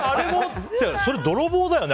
それ、泥棒だよね？